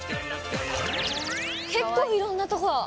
結構いろんなとこ。